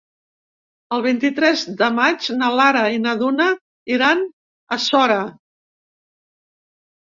El vint-i-tres de maig na Lara i na Duna iran a Sora.